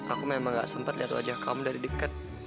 aku memang gak sempat liat wajah kamu dari dekat